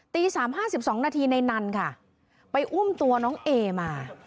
ตี๓๕๒นาทีในนั้นค่ะไปอุ้มตัวน้องเอมา